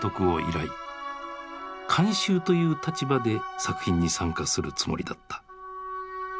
監修という立場で作品に参加するつもりだった。